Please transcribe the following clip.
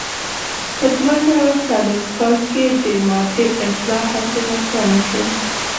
په دوه زره څلور کال کې د مادې اصلاح هڅې ناکامې شوې.